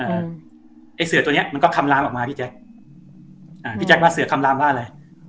ไอ้เสือตัวเนี้ยมันก็คำลามออกมาพี่แจ๊คอ่าพี่แจ๊คว่าเสือคำลามว่าอะไร